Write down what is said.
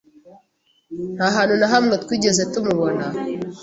Nta hantu na hamwe twigeze tumubona.